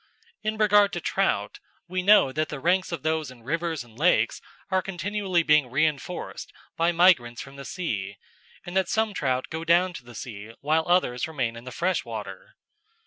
In regard to trout, we know that the ranks of those in rivers and lakes are continually being reinforced by migrants from the sea, and that some trout go down to the sea while others remain in the freshwater.